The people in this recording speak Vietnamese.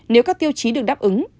nếu các tiêu chí được đáp ứng